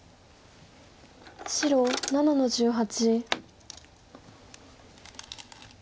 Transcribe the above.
白７の十八。